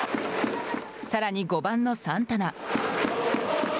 さらに５番のサンタナ。